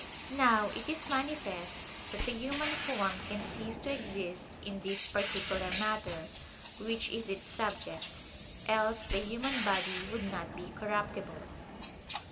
Now it is manifest that the human form can cease to exist in this (particular) matter which is its subject: else the human body would not be corruptible.